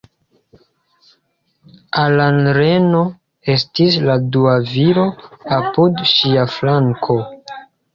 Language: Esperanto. Alan Reno estis la dua viro apud ŝia flanko.